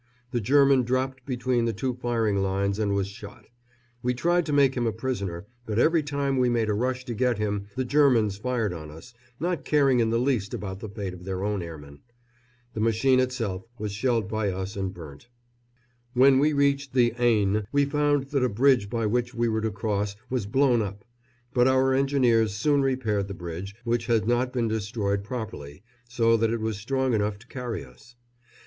The German dropped between the two firing lines and was shot. We tried to make him a prisoner, but every time we made a rush to get him the Germans fired on us, not caring in the least about the fate of their own airman. The machine itself was shelled by us and burnt. When we reached the Aisne we found that a bridge by which we were to cross was blown up; but our engineers soon repaired the bridge, which had not been destroyed properly, so that it was strong enough to carry us.